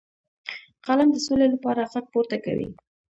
قلم د سولې لپاره غږ پورته کوي